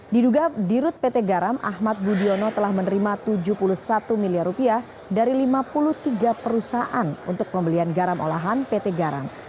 diduga dirut pt garam ahmad budiono telah menerima tujuh puluh satu miliar rupiah dari lima puluh tiga perusahaan untuk pembelian garam olahan pt garam